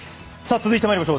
続いてまいりましょう。